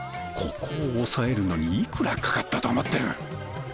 ここを押さえるのに幾らかかったと思ってる。